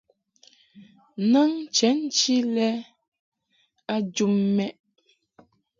Naŋ chenchi lɛ nchi jum mɛʼ.